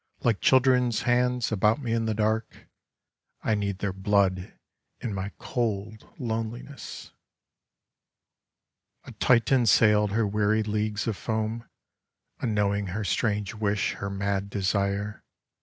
Like children's hands, about me in the dark. I need their blood in my cold loneliness." A Titan sailed her weary leagues of foam, Unknowing her strange wish, her mad desire.